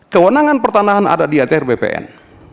kewenangan pertanahan ada di atr bpn